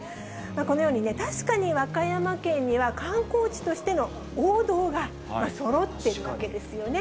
このようにね、確かに和歌山県には、観光地としての王道がそろってるわけですよね。